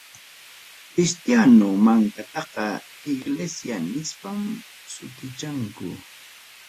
Cristiano mankataqa iglesia nispam sutichanku.